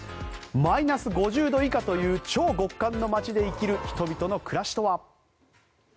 マイナス５０度以下という超極寒の街で生きる人々の暮らしとは。